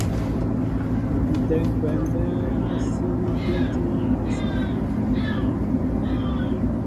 Ŋ̀kʉtɛ̌ ŋ̀kwɛ̌ mbɛ́ɛ́ mɔ́ sí dyɛ́tíní à sampə̂.